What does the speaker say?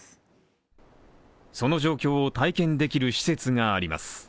その状況を体験できる施設があります。